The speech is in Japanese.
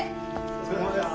お疲れさまです。